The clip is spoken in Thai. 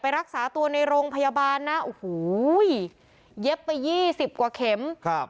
รักษาตัวในโรงพยาบาลนะโอ้โหเย็บไปยี่สิบกว่าเข็มครับ